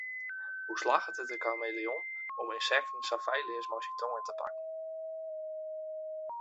Hoe slagget it de kameleon om ynsekten sa feilleas mei syn tonge te pakken?